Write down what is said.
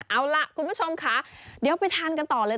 เอาล่ะคุณผู้ชมค่ะเดี๋ยวไปทานกันต่อเลย